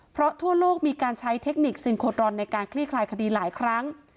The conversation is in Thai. เพราะทั่วโลกมีการใช้เทคนิคซิงโครอนในการคลี่คลายคดีหลายครั้ง